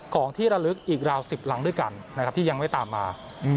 กล่องที่ระลึกอีกราวน์สิบหลังด้วยกันที่ยังไม่ตามมา